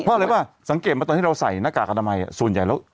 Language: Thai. พูดเลยว่าสังเกตมาตอนที่เราใส่หน้ากากอาธมายฯส่วนใหญ่เรา